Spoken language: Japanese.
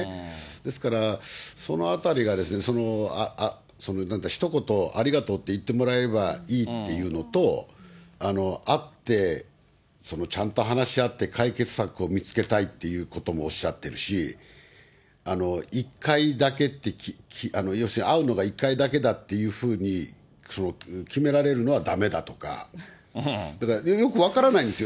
ですから、そのあたりがですね、その、なんか、ひと言、ありがとうって言ってもらえればいいっていうのと、会って、ちゃんと話し合って解決策を見つけたいっていうこともおっしゃってるし、１回だけって、要するに会うのが１回だけだっていうふうに決められるのはだめだとか、だから、よく分からないんですよ。